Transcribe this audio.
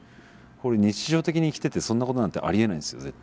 これ日常的に生きててそんなことなんてありえないんですよ。